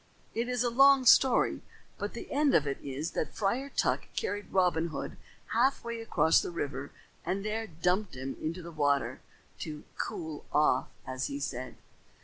It is a long story; but the end of it is that Friar Tuck carried Robin Hood half way across the river, and there dumped him into the water "to cool off," as he said.